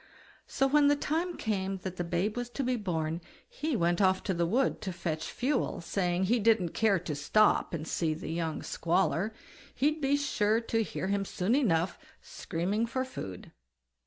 So when the time came that the babe was to be born, he went off into the wood to fetch fuel, saying, "he didn't care to stop and see the young squaller; he'd be sure to hear him soon enough, screaming for food."